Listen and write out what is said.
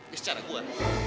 ya secara gua